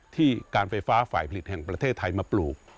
ที่การไฟฟ้าฝ่ายผลิตแห่งประเทศไทยมาปลูก